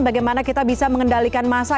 bagaimana kita bisa mengendalikan masa